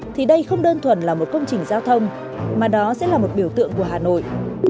thì đây không đơn thuần là một công trình giao thông mà đó sẽ là một biểu tượng của hà nội